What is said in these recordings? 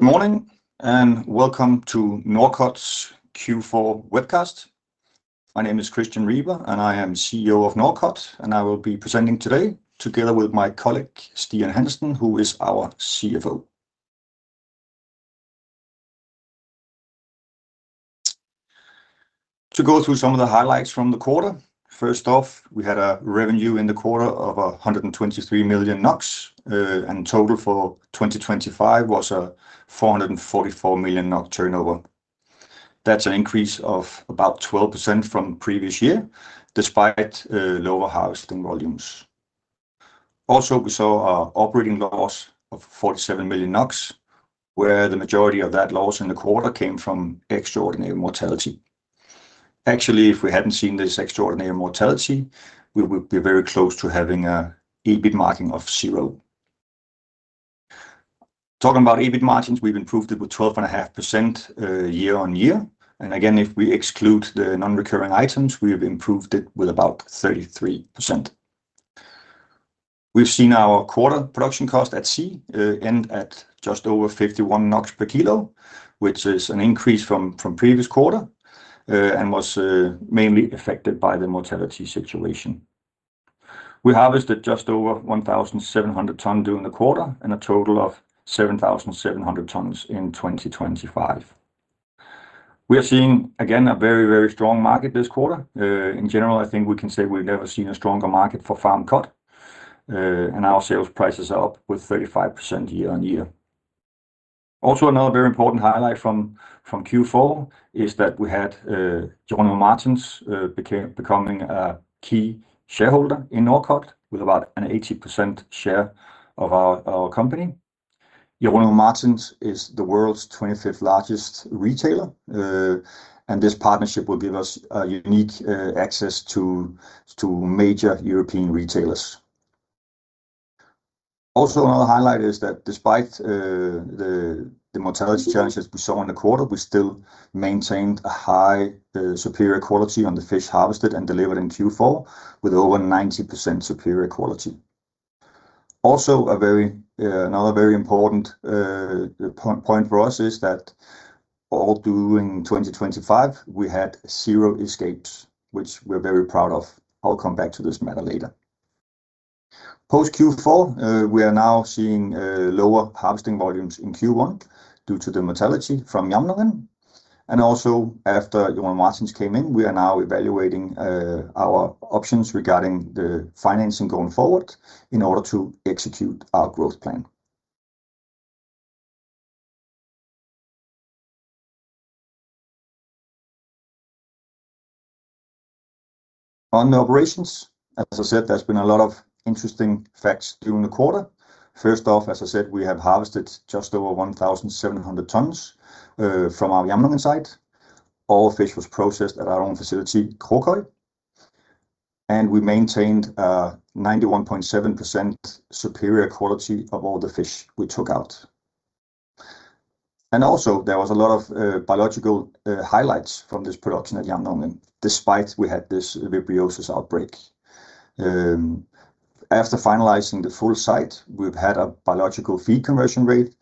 Good morning, welcome to Norcod's Q4 webcast. My name is Christian Riber, and I am CEO of Norcod, and I will be presenting today together with my colleague, Stian Hansen, who is our CFO. To go through some of the highlights from the quarter, first off, we had a revenue in the quarter of 123 million NOK, and total for 2025 was a 444 million NOK turnover. That's an increase of about 12% from previous year, despite lower harvesting volumes. We saw a operating loss of 47 million NOK, where the majority of that loss in the quarter came from extraordinary mortality. Actually, if we hadn't seen this extraordinary mortality, we would be very close to having a EBIT marking of zero. Talking about EBIT margins, we've improved it with 12.5% year on year. Again, if we exclude the non-recurring items, we have improved it with about 33%. We've seen our quarter production cost at sea end at just over 51 NOK per kilo, which is an increase from previous quarter and was mainly affected by the mortality situation. We harvested just over 1,700 tons during the quarter and a total of 7,700 tons in 2025. We are seeing, again, a very, very strong market this quarter. In general, I think we can say we've never seen a stronger market for farm cod, and our sales prices are up with 35% year on year. Another very important highlight from Q4 is that we had Jerónimo Martins becoming a key shareholder in Norcod, with about an 80% share of our company. Jerónimo Martins is the world's 25th largest retailer, this partnership will give us a unique access to major European retailers. Another highlight is that despite the mortality challenges we saw in the quarter, we still maintained a high superior quality on the fish harvested and delivered in Q4, with over 90% superior quality. A very another very important point for us is that all during 2025, we had zero escapes, which we're very proud of. I'll come back to this matter later. Post Q4, we are now seeing lower harvesting volumes in Q1 due to the mortality from Jamnungen. Also, after Jerónimo Martins came in, we are now evaluating our options regarding the financing going forward in order to execute our growth plan. On the operations, as I said, there's been a lot of interesting facts during the quarter. First off, as I said, we have harvested just over 1,700 tons from our Jamnungen site. All fish was processed at our own facility, Kråkøy, and we maintained a 91.7% superior quality of all the fish we took out. Also, there was a lot of biological highlights from this production at Jamnungen, despite we had this vibriosis outbreak. After finalizing the full site, we've had a biological feed conversion rate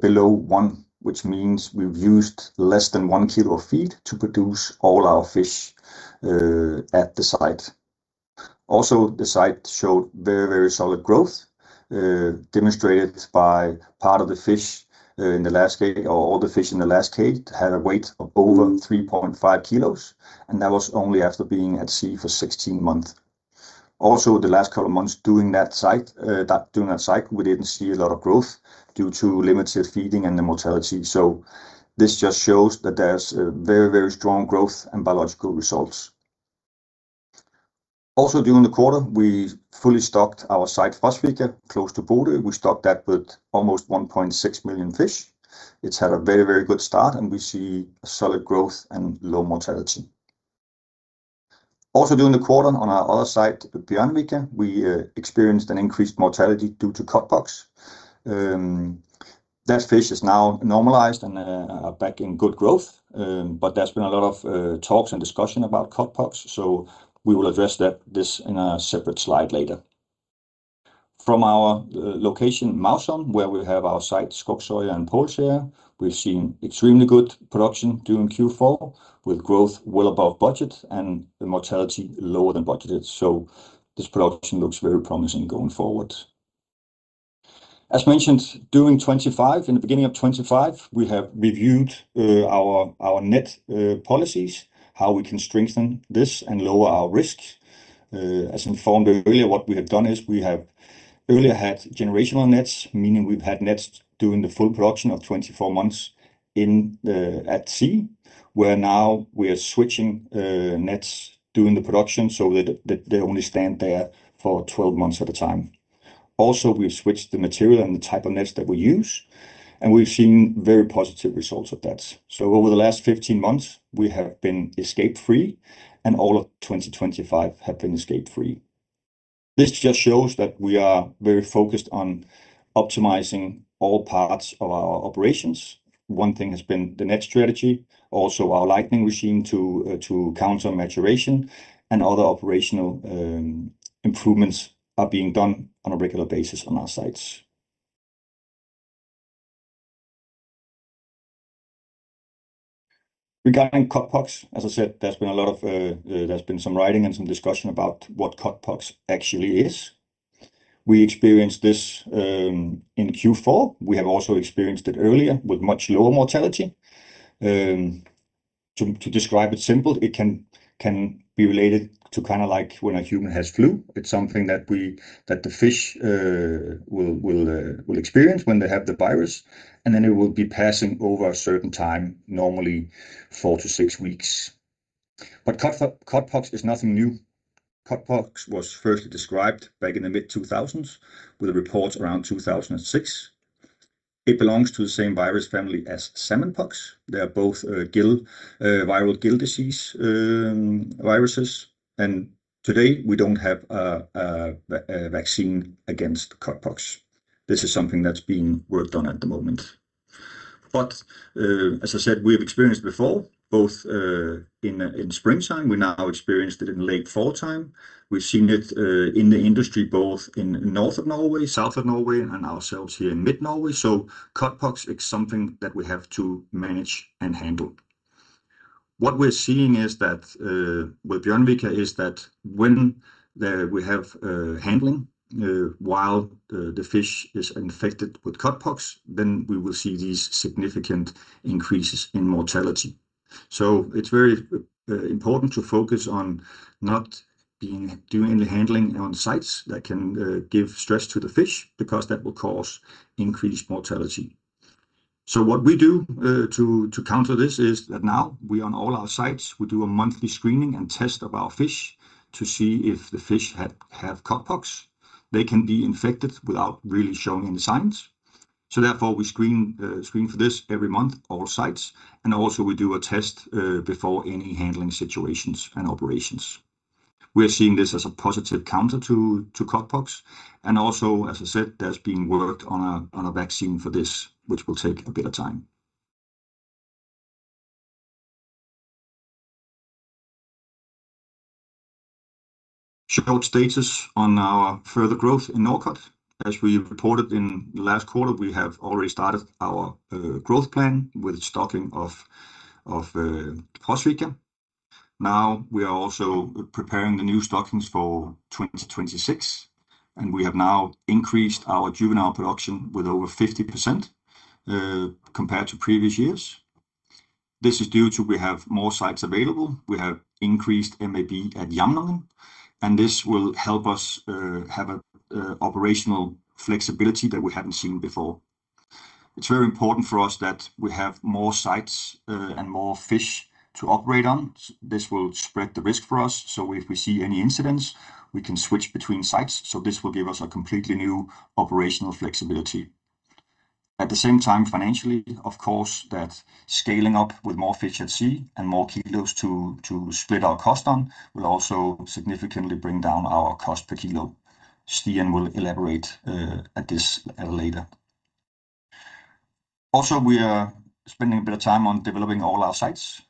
below one, which means we've used less than 1 kg of feed to produce all our fish at the site. The site showed very, very solid growth, demonstrated by part of the fish in the last cage, or all the fish in the last cage, had a weight of over 3.5 kg, and that was only after being at sea for 16 months. The last couple of months during that site, during that cycle, we didn't see a lot of growth due to limited feeding and the mortality. This just shows that there's a very, very strong growth and biological results. During the quarter, we fully stocked our site, Frosvika, close to border. We stocked that with almost 1.6 million fish. It's had a very, very good start, and we see solid growth and low mortality. During the quarter, on our other site, Bjørnvika, we experienced an increased mortality due to cod pox. That fish is now normalized and are back in good growth. There's been a lot of talks and discussion about cod pox, we will address this in a separate slide later. From our location, MAURSUND, where we have our site, Skogsøya and Polsa, we've seen extremely good production during Q4, with growth well above budget and the mortality lower than budgeted. This production looks very promising going forward. As mentioned, during 2025, in the beginning of 2025, we have reviewed our net policies, how we can strengthen this and lower our risk. As informed earlier, what we have done is we have earlier had generational nets, meaning we've had nets during the full production of 24 months in at sea, where now we are switching nets during the production so that they only stand there for 12 months at a time. Also, we've switched the material and the type of nets that we use, and we've seen very positive results of that. Over the last 15 months, we have been escape free, and all of 2025 have been escape free. This just shows that we are very focused on optimizing all parts of our operations. One thing has been the net strategy, also our lighting regime to counter maturation and other operational improvements are being done on a regular basis on our sites. Regarding cod pox, as I said, there's been some writing and some discussion about what cod pox actually is. We experienced this in Q4. We have also experienced it earlier with much lower mortality. To describe it simple, it can be related to kinda like when a human has flu. It's something that the fish will experience when they have the virus, and then it will be passing over a certain time, normally four to six weeks. Cod pox is nothing new. Cod pox was first described back in the mid-2000s with a report around 2006. It belongs to the same virus family as salmon pox. They are both gill viral disease viruses, and today we don't have a vaccine against cod pox. This is something that's being worked on at the moment. As I said, we have experienced before, both in springtime. We now experienced it in late fall time. We've seen it in the industry, both in north of Norway, south of Norway, and ourselves here in mid-Norway. Cod pox is something that we have to manage and handle. What we're seeing is that with Bjørnvika is that when we have handling while the fish is infected with cod pox, then we will see these significant increases in mortality. It's very important to focus on not being, doing the handling on sites that can give stress to the fish, because that will cause increased mortality. What we do, to counter this is that now we, on all our sites, we do a monthly screening and test of our fish to see if the fish have cod pox. They can be infected without really showing any signs. Therefore, we screen for this every month, all sites, and also we do a test before any handling situations and operations. We are seeing this as a positive counter to cod pox. Also, as I said, there's being worked on a, on a vaccine for this, which will take a bit of time. Short status on our further growth in Norcod. As we reported in the last quarter, we have already started our growth plan with the stocking of Frosvika. We are also preparing the new stockings for 2026, we have now increased our juvenile production with over 50% compared to previous years. This is due to we have more sites available. We have increased MAB at Jamnungen, this will help us have operational flexibility that we haven't seen before. It's very important for us that we have more sites, more fish to operate on. This will spread the risk for us, if we see any incidents, we can switch between sites. This will give us a completely new operational flexibility. At the same time, financially, of course, that scaling up with more fish at sea and more kilos to split our cost on will also significantly bring down our cost per kilo. Stian will elaborate at this later. We are spending a bit of time on developing all our sites.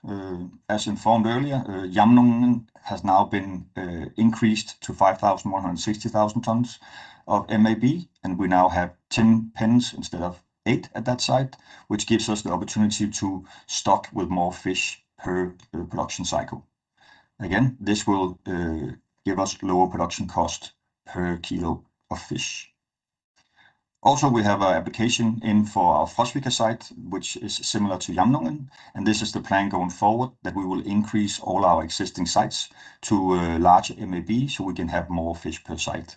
As informed earlier, Jamnungen has now been increased to 5,160,000 tons of MAB, and we now have 10 pens instead of eight at that site, which gives us the opportunity to stock with more fish per production cycle. This will give us lower production cost per kilo of fish. We have an application in for our Frosvika site, which is similar to Jamnungen, and this is the plan going forward, that we will increase all our existing sites to a larger MAB, so we can have more fish per site.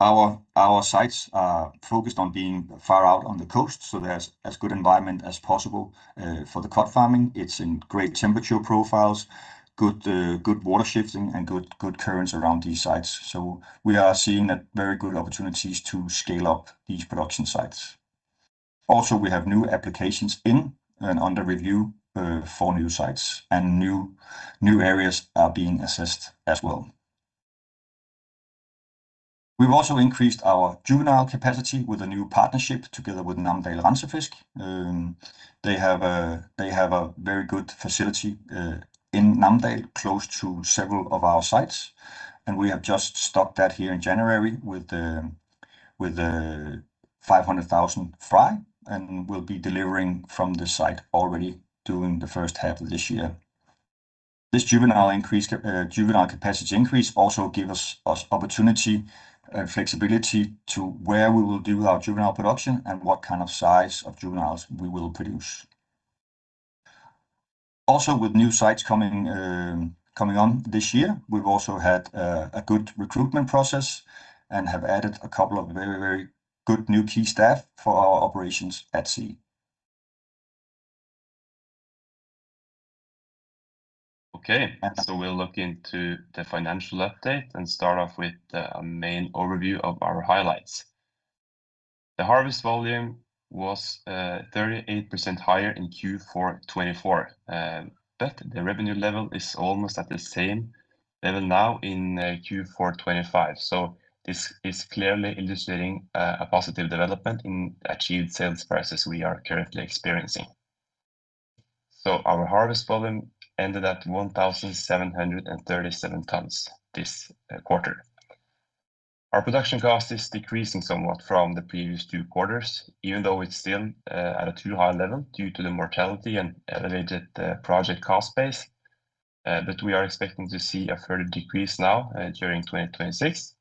Our sites are focused on being far out on the coast, so there's as good environment as possible for the cod farming. It's in great temperature profiles, good water shifting, and good currents around these sites. We are seeing that very good opportunities to scale up these production sites. Also, we have new applications in and under review for new sites, and new areas are being assessed as well. We've also increased our juvenile capacity with a new partnership together with Namdal Settefisk. They have a, they have a very good facility in Namdal, close to several of our sites, and we have just stocked that here in January with 500,000 fry, and we'll be delivering from the site already during the first half of this year. This juvenile increase, juvenile capacity increase also give us opportunity, flexibility to where we will do our juvenile production and what kind of size of juveniles we will produce. With new sites coming on this year, we've also had a good recruitment process and have added a couple of very, very good new key staff for our operations at sea. Okay. We'll look into the financial update and start off with a main overview of our highlights. The harvest volume was 38% higher in Q4 2024. The revenue level is almost at the same. Now in Q4 2025. This is clearly illustrating a positive development in achieved sales prices we are currently experiencing. Our harvest volume ended at 1,737 tons this quarter. Our production cost is decreasing somewhat from the previous two quarters, even though it's still at a too high level due to the mortality and elevated project cost base. We are expecting to see a further decrease now during 2026.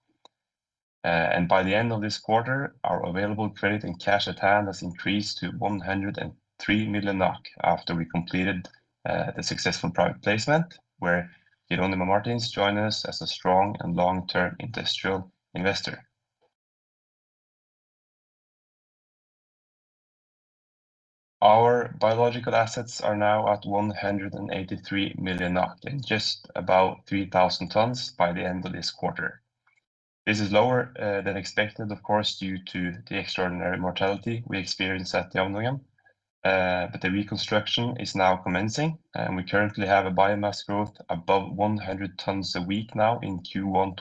By the end of this quarter, our available credit and cash at hand has increased to 103 million NOK, after we completed the successful private placement, where Jerónimo Martins joined us as a strong and long-term industrial investor. Our biological assets are now at 183 million, and just about 3,000 tons by the end of this quarter. This is lower than expected, of course, due to the extraordinary mortality we experienced at Jamnungen. The reconstruction is now commencing, and we currently have a biomass growth above 100 tons a week now in Q1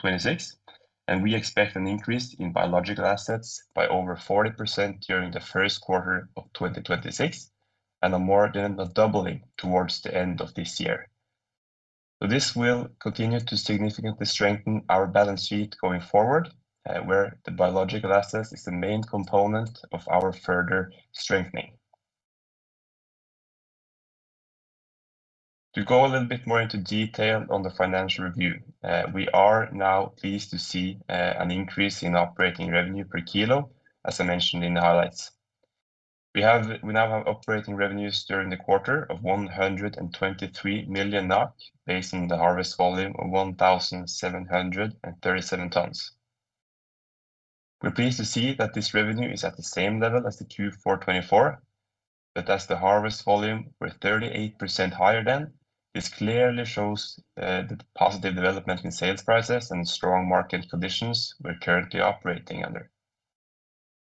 2026. We expect an increase in biological assets by over 40% during the first quarter of 2026, and a more than a doubling towards the end of this year. This will continue to significantly strengthen our balance sheet going forward, where the biological assets is the main component of our further strengthening. To go a little bit more into detail on the financial review. We are now pleased to see an increase in operating revenue per kilo as I mentioned in the highlights. We now have operating revenues during the quarter of 123 million, based on the harvest volume of 1,737 tons. We're pleased to see that this revenue is at the same level as the Q4 2024, as the harvest volume were 38% higher then, this clearly shows the positive development in sales prices and strong market conditions we're currently operating under.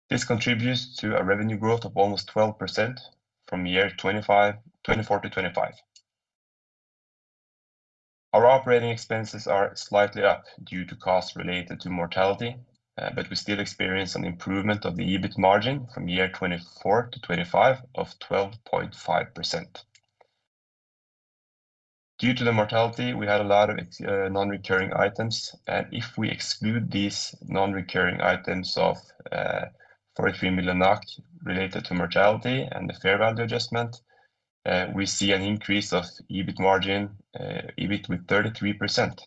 This contributes to a revenue growth of almost 12% from year 2024 to 2025. Our operating expenses are slightly up due to costs related to mortality. We still experience an improvement of the EBIT margin from year 2024 to 2025 of 12.5%. Due to the mortality, we had a lot of non-recurring items, and if we exclude these non-recurring items of 43 million NOK related to mortality and the fair value adjustment, we see an increase of EBIT margin, EBIT with 33%.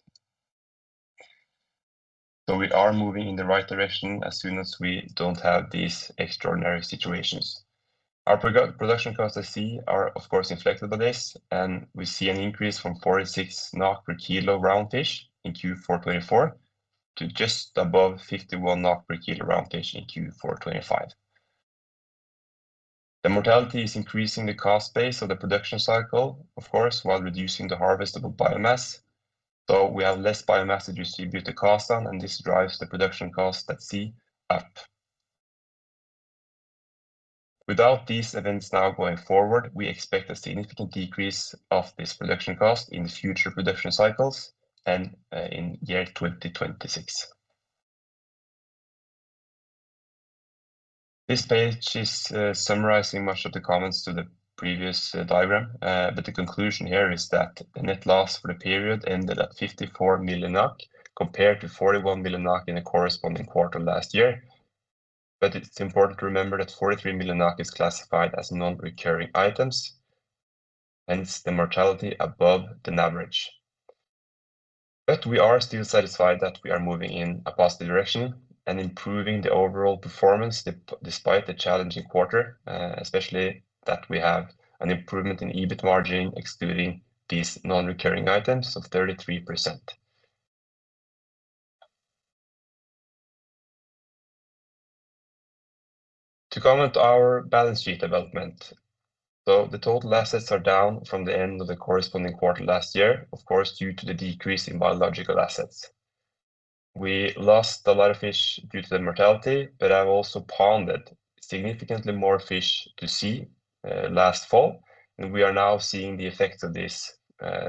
We are moving in the right direction as soon as we don't have these extraordinary situations. Our pro-production costs at sea are, of course, inflected by this, and we see an increase from 46 NOK per kilo round fish in Q4 2024, to just above 51 NOK per kilo round fish in Q4 2025. The mortality is increasing the cost base of the production cycle, of course, while reducing the harvestable biomass. We have less biomass to distribute the cost on, and this drives the production costs at sea up. Without these events now going forward, we expect a significant decrease of this production cost in future production cycles and in year 2026. This page is summarizing much of the comments to the previous diagram. The conclusion here is that the net loss for the period ended at 54 million, compared to 41 million in the corresponding quarter last year. It's important to remember that 43 million is classified as non-recurring items, hence the mortality above the average. We are still satisfied that we are moving in a positive direction and improving the overall performance despite the challenging quarter, especially that we have an improvement in EBIT margin, excluding these non-recurring items of 33%. To comment our balance sheet development. The total assets are down from the end of the corresponding quarter last year, of course, due to the decrease in biological assets. We lost a lot of fish due to the mortality, but I've also pounded significantly more fish to sea last fall, and we are now seeing the effect of this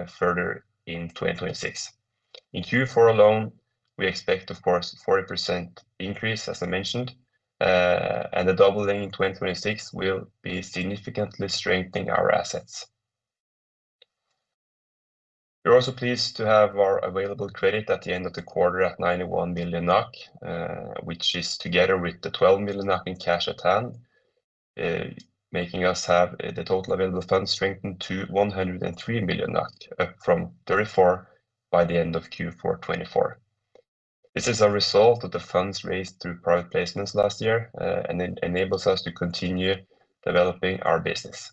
further in 2026. In Q4 alone, we expect, of course, 40% increase, as I mentioned, and the doubling in 2026 will be significantly strengthening our assets. We're also pleased to have our available credit at the end of the quarter at 91 million NOK, which is together with the 12 million in cash at hand, making us have the total available funds strengthened to 103 million, up from 34 million by the end of Q4 2024. This is a result of the funds raised through product placements last year, and it enables us to continue developing our business.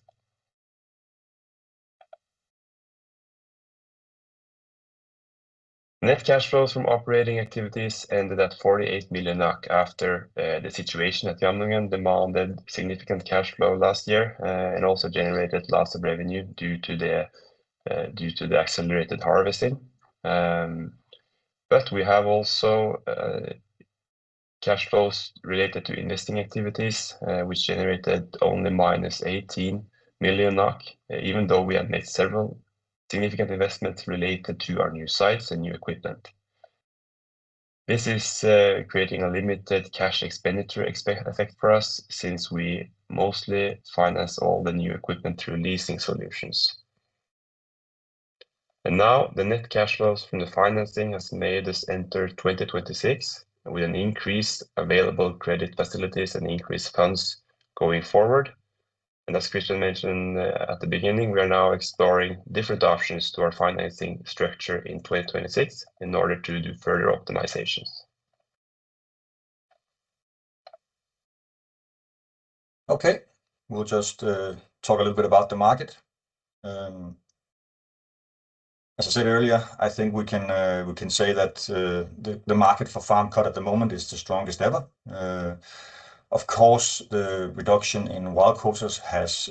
Net cash flows from operating activities ended at 48 million after, the situation at Jamnungen demanded significant cash flow last year, and also generated lots of revenue due to the accelerated harvesting. We have also cash flows related to investing activities, which generated only minus 18 million NOK, even though we have made several significant investments related to our new sites and new equipment. This is creating a limited cash expenditure effect for us, since we mostly finance all the new equipment through leasing solutions. Now the net cash flows from the financing has made us enter 2026 with an increased available credit facilities and increased funds going forward. As Christian mentioned, at the beginning, we are now exploring different options to our financing structure in 2026 in order to do further optimizations. Okay. We'll just talk a little bit about the market. As I said earlier, I think we can say that the market for farmed cod at the moment is the strongest ever. Of course, the reduction in wild quotas has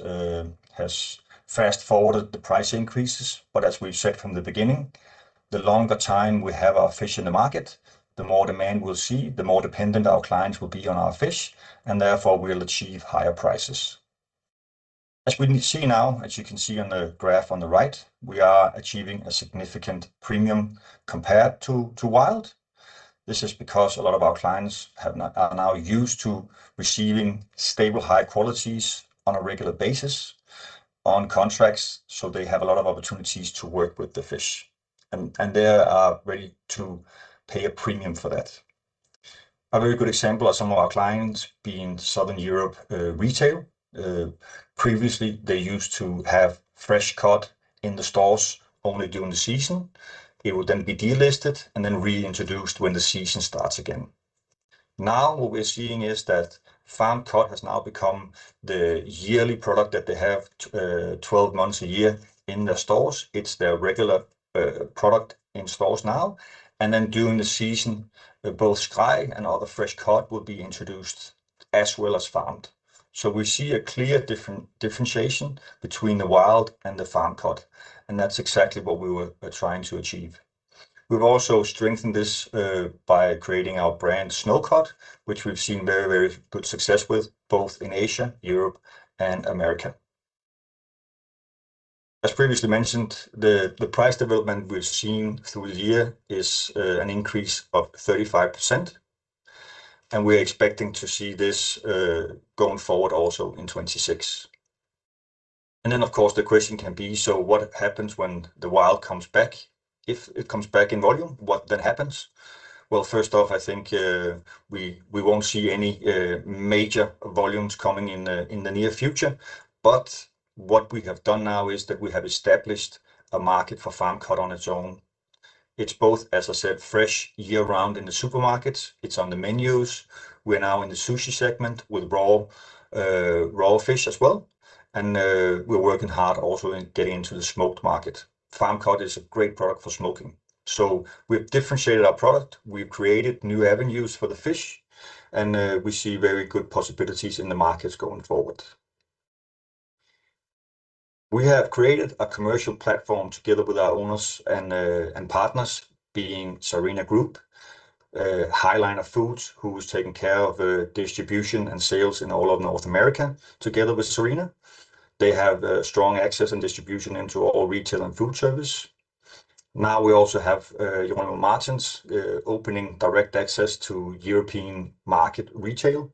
fast-forwarded the price increases. As we've said from the beginning, the longer time we have our fish in the market, the more demand we'll see, the more dependent our clients will be on our fish, and therefore, we'll achieve higher prices. As we can see now, as you can see on the graph on the right, we are achieving a significant premium compared to wild. This is because a lot of our clients are now used to receiving stable, high qualities on a regular basis on contracts. They have a lot of opportunities to work with the fish, and they are ready to pay a premium for that. A very good example are some of our clients, being Southern Europe, retail. Previously, they used to have fresh cod in the stores only during the season. It would then be delisted and then reintroduced when the season starts again. Now, what we're seeing is that farmed cod has now become the yearly product that they have 12 months a year in their stores. It's their regular product in stores now, and then during the season, both Skrei and other fresh cod will be introduced as well as farmed. We see a clear differentiation between the wild and the farmed cod, and that's exactly what we were trying to achieve. We've also strengthened this by creating our brand, Snow Cod, which we've seen very, very good success with, both in Asia, Europe, and America. As previously mentioned, the price development we've seen through the year is an increase of 35%, and we're expecting to see this going forward also in 2026. Of course, the question can be: So what happens when the wild comes back? If it comes back in volume, what then happens? Well, first off, I think we won't see any major volumes coming in the near future. What we have done now is that we have established a market for farmed cod on its own. It's both, as I said, fresh year-round in the supermarkets, it's on the menus. We're now in the sushi segment with raw fish as well, and we're working hard also in getting into the smoked market. Farmed cod is a great product for smoking. We've differentiated our product, we've created new avenues for the fish, and we see very good possibilities in the markets going forward. We have created a commercial platform together with our owners and partners, being Sirena Group, High Liner Foods, who is taking care of distribution and sales in all of North America, together with Sirena. They have strong access and distribution into all retail and food service. We also have Jerónimo Martins opening direct access to European market retail.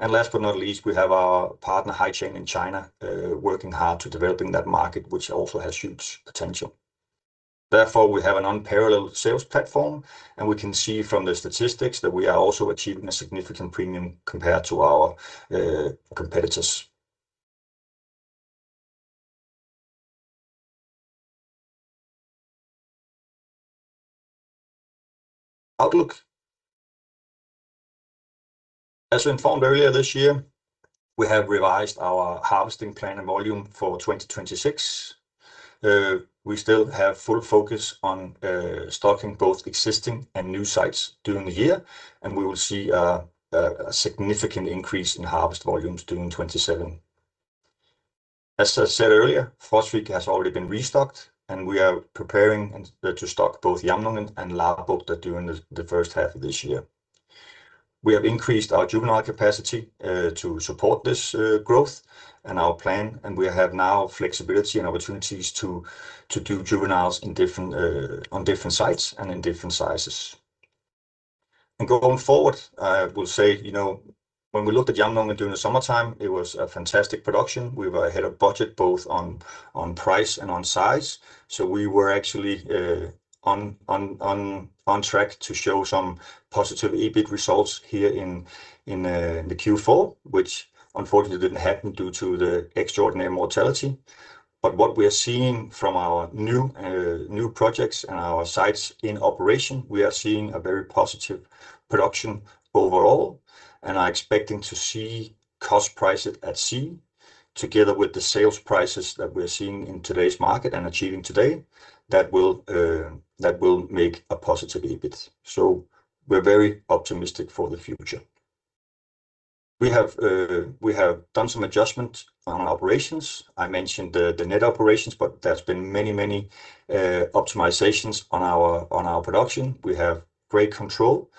Last but not least, we have our partner, Hi-Chain, in China, working hard to developing that market, which also has huge potential. We have an unparalleled sales platform, and we can see from the statistics that we are also achieving a significant premium compared to our competitors. Outlook. We informed earlier this year, we have revised our harvesting plan and volume for 2026. We still have full focus on stocking both existing and new sites during the year, and we will see a significant increase in harvest volumes during 2027. I said earlier, Frosvika has already been restocked, and we are preparing to stock both Jamnungen and Labukta during the first half of this year. We have increased our juvenile capacity to support this growth and our plan, and we have now flexibility and opportunities to do juveniles in different on different sites and in different sizes. Going forward, I will say, you know, when we looked at Jamnungen during the summertime, it was a fantastic production. We were ahead of budget, both on price and on size. We were actually on track to show some positive EBIT results here in the Q4, which unfortunately didn't happen due to the extraordinary mortality. What we are seeing from our new projects and our sites in operation, we are seeing a very positive production overall and are expecting to see cost prices at sea, together with the sales prices that we're seeing in today's market and achieving today, that will, that will make a positive EBIT. We're very optimistic for the future. We have, we have done some adjustments on operations. I mentioned the net operations, but there's been many, many optimizations on our, on our production. We have great control,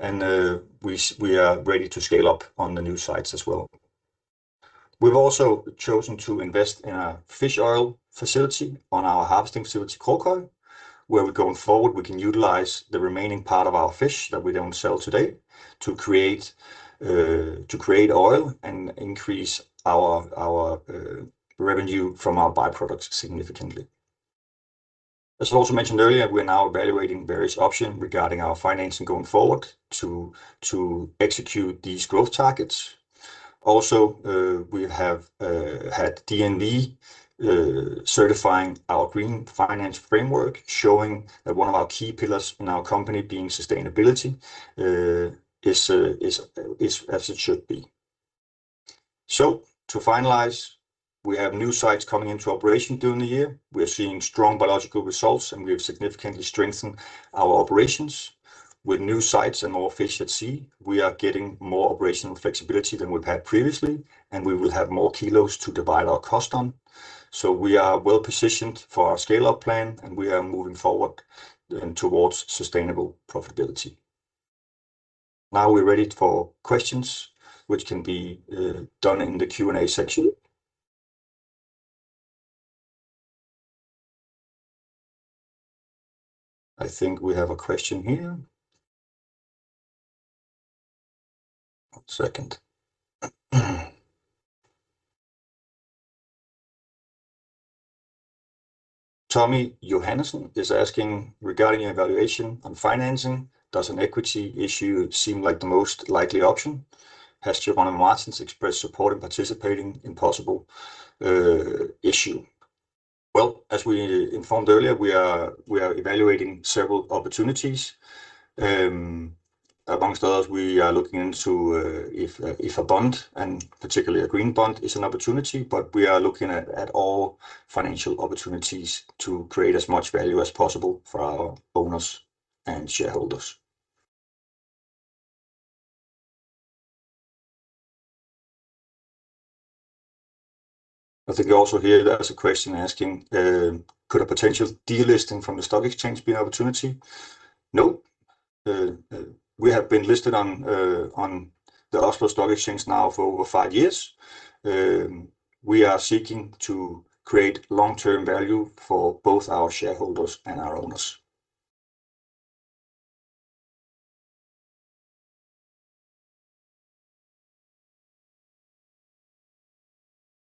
and we are ready to scale up on the new sites as well. We've also chosen to invest in a fish oil facility on our harvesting facility, Kråkøy, where we're going forward, we can utilize the remaining part of our fish that we don't sell today to create to create oil and increase our revenue from our byproducts significantly. We have had DNV certifying our Green Finance Framework, showing that one of our key pillars in our company being sustainability is as it should be. To finalize, we have new sites coming into operation during the year. We are seeing strong biological results, and we have significantly strengthened our operations. With new sites and more fish at sea, we are getting more operational flexibility than we've had previously, and we will have more kilos to divide our cost on. We are well positioned for our scale-up plan, and we are moving forward and towards sustainable profitability. We're ready for questions, which can be done in the Q&A section. I think we have a question here. One second. Tommy Johannessen is asking: "Regarding your evaluation on financing, does an equity issue seem like the most likely option? Has Jerónimo Martins expressed support in participating in possible issue?" As we informed earlier, we are evaluating several opportunities. Amongst others, we are looking into if a bond, and particularly a green bond, is an opportunity, but we are looking at all financial opportunities to create as much value as possible for our owners and shareholders. I think I also hear there is a question asking: "Could a potential delisting from the stock exchange be an opportunity?" No. We have been listed on the Oslo Stock Exchange now for over five years. We are seeking to create long-term value for both our shareholders and our owners.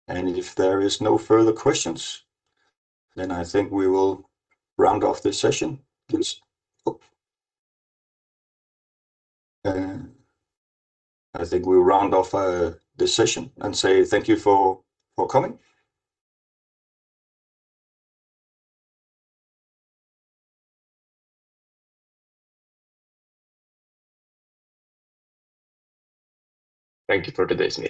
If there is no further questions, then I think we will round off this session. Please. I think we'll round off this session and say thank you for coming. Thank you for today's meeting.